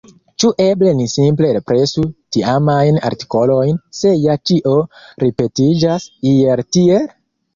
Ĉu eble ni simple represu tiamajn artikolojn, se ja ĉio ripetiĝas, iel tiel?